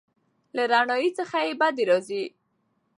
له رڼایي څخه یې بدې راځي.